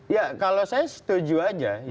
ya kalau saya setuju aja